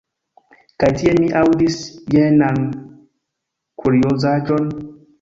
Kaj tie mi aŭdis jenan kuriozaĵon.